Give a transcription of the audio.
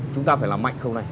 chúng ta phải làm mạnh không này